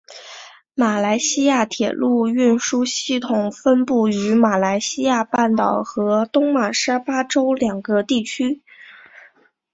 马来西亚铁路运输系统分布于马来西亚半岛和东马沙巴州两个地区。